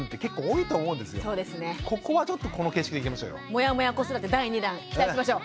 モヤモヤ子育て第２弾期待しましょう。